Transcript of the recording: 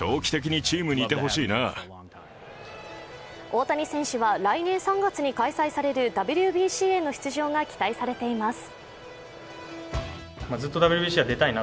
大谷選手は来年３月に開催されるＷＢＣへの出場が期待されています。